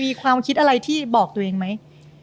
มีความคิดอะไรที่บอกตัวเองไหม